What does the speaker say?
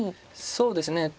そうですね